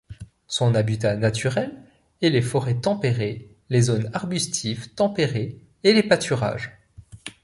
Son habitat naturel est les forêts tempérées, les zones arbustives tempérées, et les pâturages.